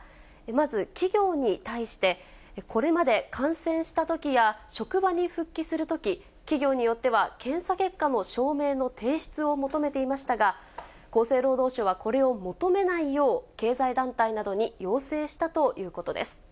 まず、企業に対して、これまで感染したときや、職場に復帰するとき、企業によっては検査結果の証明の提出を求めていましたが、厚生労働省はこれを求めないよう、経済団体などに要請したということです。